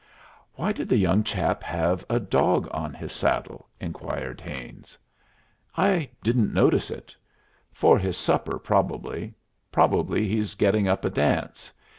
"Why did the young chap have a dog on his saddle?" inquired Haines. "I didn't notice it. For his supper, probably probably he's getting up a dance.